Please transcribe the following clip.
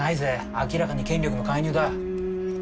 明らかに権力の介入だ。